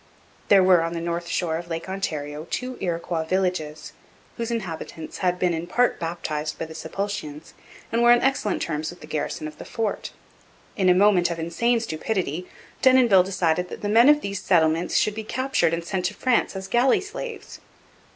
There were on the north shore of Lake Ontario two Iroquois villages, whose inhabitants had been in part baptized by the Sulpicians and were on excellent terms with the garrison of the fort. In a moment of insane stupidity Denonville decided that the men of these settlements should be captured and sent to France as galley slaves.